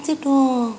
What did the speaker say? tante tidur nih disini